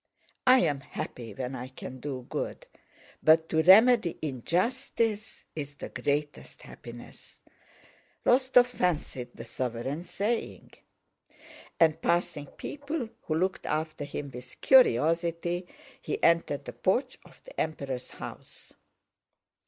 'I am happy when I can do good, but to remedy injustice is the greatest happiness,'" Rostóv fancied the sovereign saying. And passing people who looked after him with curiosity, he entered the porch of the Emperor's house.